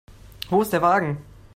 Wo ist der Wagen?